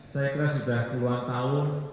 saya kira sudah dua tahun